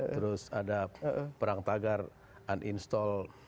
terus ada perang tagar uninstall